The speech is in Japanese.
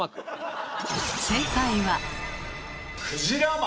正解は。